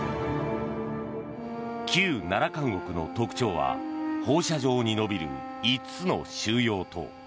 旧奈良監獄の特徴は放射状に延びる５つの収容棟。